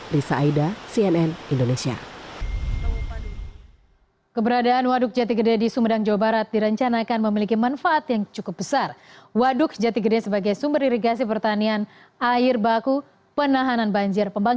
risa aida cnn indonesia